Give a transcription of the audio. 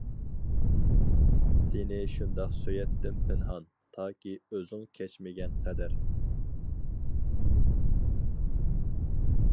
سېنى شۇنداق سۆيەتتىم پىنھان، تاكى ئۆزۈڭ كەچمىگەن قەدەر.